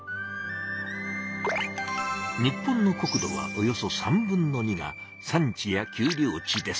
日本の国土はおよそ３分の２が山地や丘陵地です。